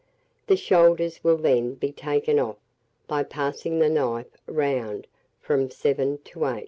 The shoulders will then be taken off by passing the knife round from 7 to 8.